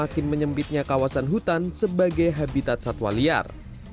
yang makin menyempitnya kawasan hutan sebagai habitat satwa liar